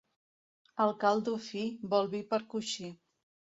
El caldo fi, vol vi per coixí.